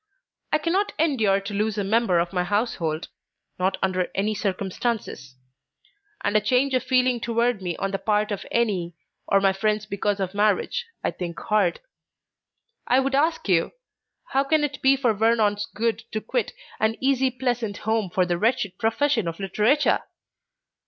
I cannot endure to lose a member of my household not under any circumstances; and a change of feeling toward me on the part of any of my friends because of marriage, I think hard. I would ask you, how can it be for Vernon's good to quit an easy pleasant home for the wretched profession of Literature?